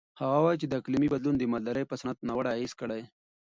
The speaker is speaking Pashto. هغه وایي چې د اقلیم بدلون د مالدارۍ په صنعت ناوړه اغېز کړی.